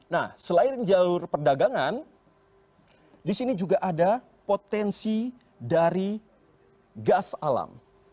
nah selain jalur perdagangan di sini juga ada potensi dari gas alam